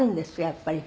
やっぱり。